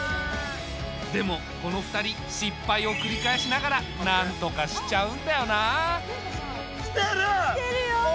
でもこの２人失敗を繰り返しながらなんとかしちゃうんだよなあ。来てる！来てるよこれ！